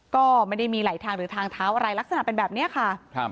ก็ไม่ได้มีไหลทางหรือทางเท้าอะไรลักษณะเป็นแบบนี้ค่ะ